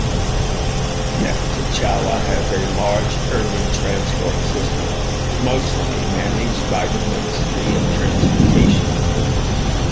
Neftchala has a large urban transport system, mostly managed by the Ministry of Transportation.